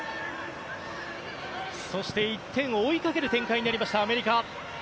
そして１点を追いかける展開になりましたアメリカ。